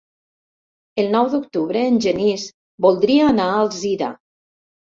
El nou d'octubre en Genís voldria anar a Alzira.